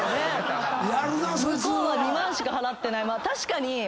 確かに。